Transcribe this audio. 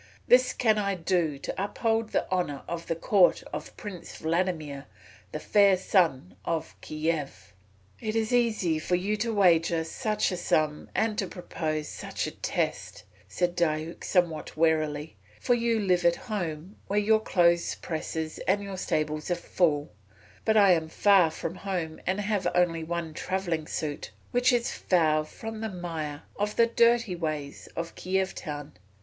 This can I do to uphold the honour of the court of Prince Vladimir, the Fair Sun of Kiev." "It is easy for you to wager such a sum and to propose such a test," said Diuk somewhat wearily, "for you live at home where your clothes presses and your stables are full; but I am far from home and have only one travelling suit which is foul from the mire of the dirty ways of Kiev town.